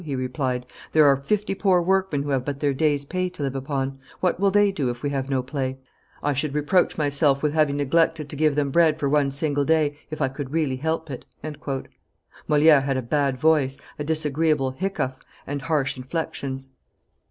he replied; "there are fifty poor workmen who have but their day's pay to live upon; what will they do if we have no play? I should reproach myself with having neglected to give them bread for one single day, if I could really help it." Moliere had a bad voice, a disagreeable hiccough, and harsh inflexions.